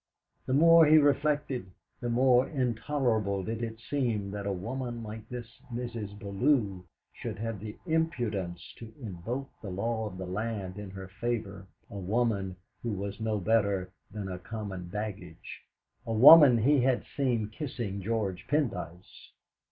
The more he reflected, the more intolerable did it seem that a woman like this Mrs. Bellew should have the impudence to invoke the law of the land in her favour a woman who was no better than a common baggage a woman he had seen kissing George Pendyce.